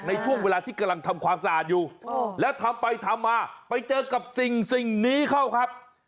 ในช่วงเวลาที่กำลังทำความสะอาดอยู่แล้วทำไปทำมาไปเจอกับสิ่งนี้เข้าครับ